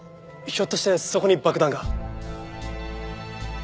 ひょっとしてそこに爆弾が？